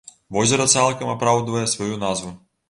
Возера цалкам апраўдвае сваю назву.